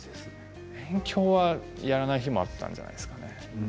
勉強はやらない日もあったんじゃないですかね。